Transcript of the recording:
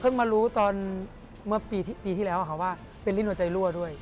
มารู้ตอนเมื่อปีที่แล้วว่าเป็นลิ้นหัวใจรั่วด้วย